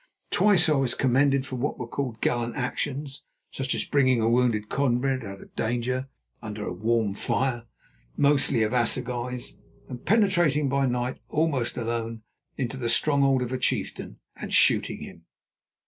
Twice I was commended for what were called gallant actions, such as bringing a wounded comrade out of danger under a warm fire, mostly of assegais, and penetrating by night, almost alone, into the stronghold of a chieftain, and shooting him.